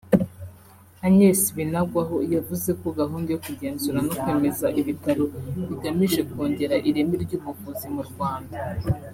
Agnes Binagwaho yavuze ko gahunda yo kugenzura no kwemeza ibitaro igamije kongera ireme ry’ubuvuzi mu Rwanda